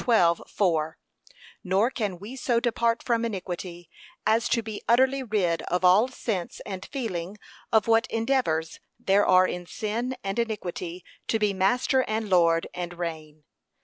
12:4) Nor can we so depart from iniquity, as to be utterly rid of all sense and feeling of what endeavours there are in sin and iniquity to be master and lord, and reign.